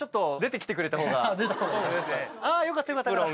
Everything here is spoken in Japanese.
あぁよかったよかった。